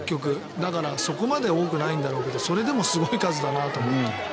だからそこまで多くないんだろうけどそれでもすごい数だなと思って。